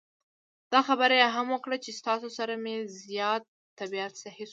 دا خبره یې هم وکړه چې ستاسو سره مې زیات طبعیت سهی شو.